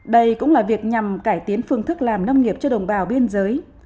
đây cũng là việc nhằm cải tiến phương thức làm nông nghiệp cho đồng bào biên giới